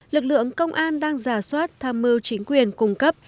lực lượng công an đang giả soát tham mưu chính quyền cung cấp